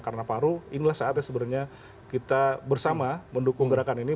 karena paru inilah saatnya sebenarnya kita bersama mendukung gerakan ini